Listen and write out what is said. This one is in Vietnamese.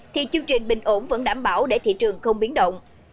thì chương trình bình ổn vẫn đảm bảo để thị trường không biến động